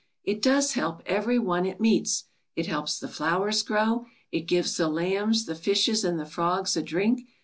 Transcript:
"It does help every one it meets. It helps the flowers grow. It gives the lambs, the fishes, and the frogs a drink.